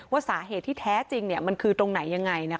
ว่าสาเหตุที่แท้จริงเนี่ยมันคือตรงไหนยังไงนะคะ